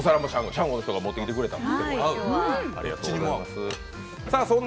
シャンゴの方が持ってきてくれたんです。